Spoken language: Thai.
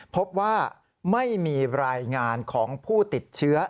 พบว่าไม่มีรายงานของผู้ติดเชื้อ